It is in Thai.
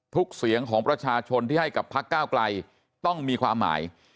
เสียงของประชาชนที่ให้กับพักก้าวไกลต้องมีความหมาย